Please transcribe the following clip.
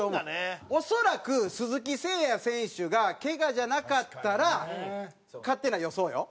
恐らく鈴木誠也選手がケガじゃなかったら勝手な予想よ？